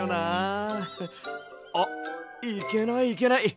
あっいけないいけない。